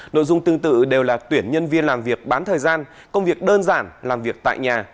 nội dung tương tự đều là tuyển nhân viên làm việc bán thời gian công việc đơn giản làm việc tại nhà